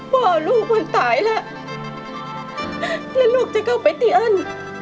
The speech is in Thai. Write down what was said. พ่อลูกมันตายแล้วแล้วลูกจะเข้าไปตีอัน